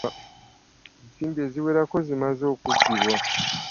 Ensimbi eziwerako zimaze okubbibwa.